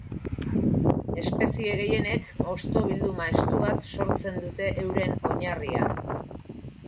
Espezie gehienek hosto bilduma estu bat sortzen dute euren oinarrian.